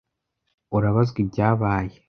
Urabazwa ibyabaye?